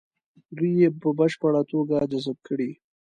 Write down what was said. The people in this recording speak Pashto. دوی یې په بشپړه توګه جذب کړي.